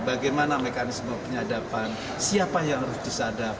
bagaimana mekanisme penyadapan siapa yang harus disadap